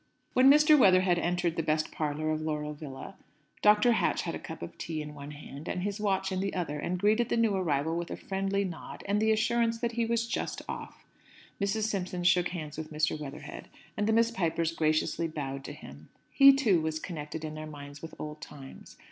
When Mr. Weatherhead entered the best parlour of Laurel Villa, Dr. Hatch had a cup of tea in one hand, and his watch in the other, and greeted the new arrival with a friendly nod, and the assurance that he was "just off." Mrs. Simpson shook hands with Mr. Weatherhead, and the Miss Pipers graciously bowed to him. He, too, was connected in their minds with old times.